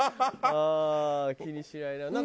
ああ気にしないな。